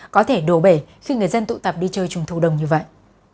có thể đổ bể khi người dân tụ tập đi chơi trung thu đông như vậy